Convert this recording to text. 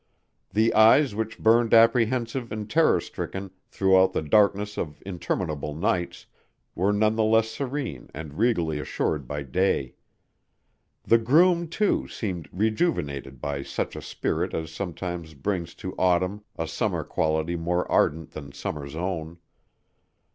The eyes which burned apprehensive and terror stricken, throughout the darkness of interminable nights, were none the less serene and regally assured by day. The groom, too, seemed rejuvenated by such a spirit as sometimes brings to autumn a summer quality more ardent than summer's own.